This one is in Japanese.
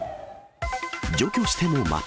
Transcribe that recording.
除去してもまた。